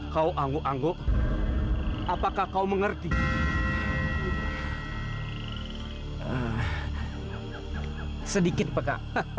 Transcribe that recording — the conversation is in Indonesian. kau angguk angguk apakah kau mengerti sedikit peka